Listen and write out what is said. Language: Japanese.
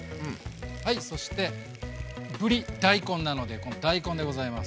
そしてぶり大根なのでこの大根でございます。